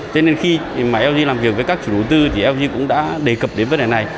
thế nên khi lg làm việc với các chủ đối tư lg cũng đã đề cập đến vấn đề này